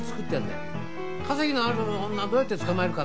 稼ぎのある女どうやってつかまえるかって？